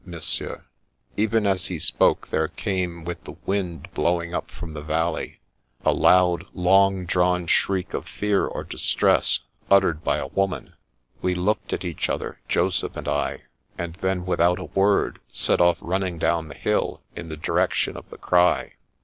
Monsieur.'* Even as he spoke there came, with the wind blow ing up from the valley, a loud, long drawn shriek of fear or distress, uttered by a woman. We looked at each other, Joseph and I, and then without a word set off running down the hill, in the direction of the cry.